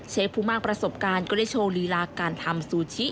ผู้มากประสบการณ์ก็ได้โชว์ลีลาการทำซูชิ